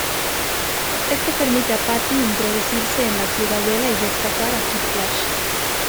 Esto permite a Patty introducirse en la ciudadela y rescatar a Kid Flash.